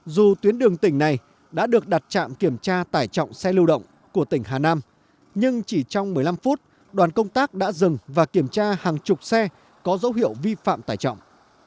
dù tuyến đường tỉnh này đã được đặt trạm kiểm tra tải trọng xe lưu động của tỉnh hà nam nhưng chỉ trong một mươi năm phút đoàn công tác đã dừng và kiểm tra hàng chục xe có dấu hiệu vi phạm tải trọng